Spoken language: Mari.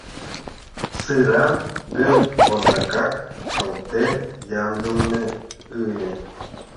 Сырам гын ондакак шолтен ямдылыме ыле.